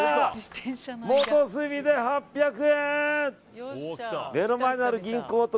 元住で８００円！